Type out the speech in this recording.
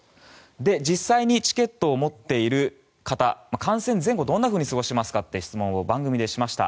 実際にチケットを持っている方観戦前後をどんなふうに過ごしますかという質問を番組でしました。